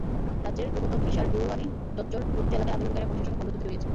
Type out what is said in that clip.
রাজ্যের রোহতক, হিসার, ভিওয়ানি, ঝজ্জর প্রভৃতি এলাকায় আন্দোলনকারীরা পুলিশের সঙ্গে খণ্ডযুদ্ধে জড়িয়েছে।